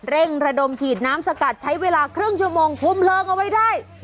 เร่งระดมฉีดน้ำสกัดใช้เวลาครึ่งชั่วโมงคุมเพลิงเอาไว้ได้